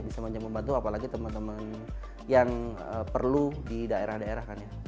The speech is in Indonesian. bisa membantu apalagi teman teman yang perlu di daerah daerah kan ya